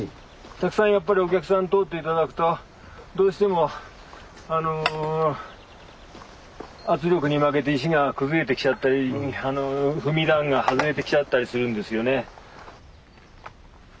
たくさんやっぱりお客さん通って頂くとどうしても圧力に負けて石が崩れてきちゃったり踏み段が外れてきちゃったりするんですよね。